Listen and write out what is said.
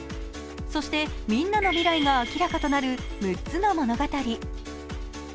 そしてみんなの未来が明らかとなる６つの物語。